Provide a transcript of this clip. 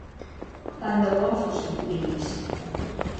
Tant de bo fossin conills.